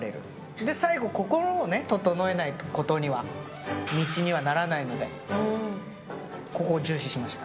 で最後、心をね、整えないことには、道にはならないので、ここを重視しました。